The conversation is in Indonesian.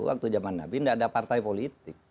waktu zaman nabi tidak ada partai politik